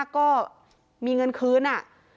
ขอบคุณครับ